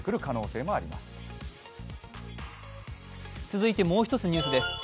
続いてもう一つニュースです。